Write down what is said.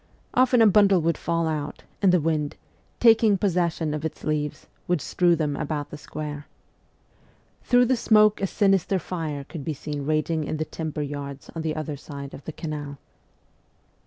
Often a bundle would fall out, and the wind, taking possession of its leaves, would strew them about the square. Through the smoke a sinister fire could be seen raging in the timber yards on the other side of the canal.